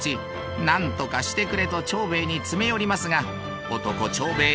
なんとかしてくれと長兵衛に詰め寄りますが男長兵衛